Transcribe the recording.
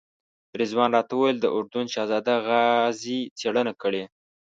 رضوان راته وویل د اردن شهزاده غازي څېړنه کړې.